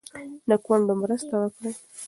د کونډو مرسته وکړئ.